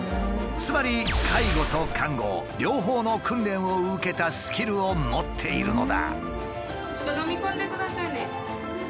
つまり介護と看護両方の訓練を受けたスキルを持っているのだ。